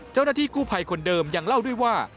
เจ้าหน้าที่กู้ภัยคนเดิมยังเล่าด้วยว่า